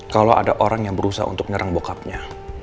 kalau ada orang yang berusaha untuk menyerang bokapnya